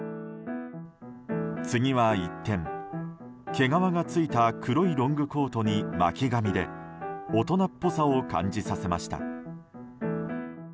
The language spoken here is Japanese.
次は一転、毛皮がついた黒いロングコートに巻き髪で大人っぽさを感じさせました。